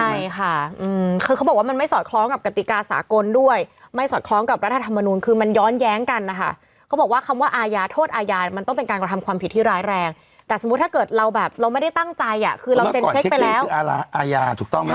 ใช่ค่ะคือเขาบอกว่ามันไม่สอดคล้องกับกติกาสากลด้วยไม่สอดคล้องกับรัฐธรรมนูลคือมันย้อนแย้งกันนะคะเขาบอกว่าคำว่าอาญาโทษอาญามันต้องเป็นการกระทำความผิดที่ร้ายแรงแต่สมมุติถ้าเกิดเราแบบเราไม่ได้ตั้งใจอ่ะคือเราเซ็นเช็คไปแล้วอาญาถูกต้องไหม